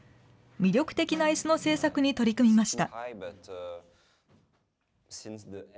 魅力的ないすの製作に取り組みました。